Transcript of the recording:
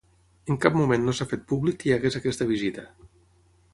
En cap moment no s’ha fet públic que hi hagués aquesta visita.